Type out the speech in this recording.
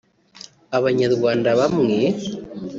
Abanyarwanda bamwe